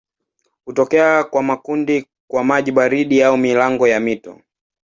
Hutokea kwa makundi kwa maji baridi au milango ya mito.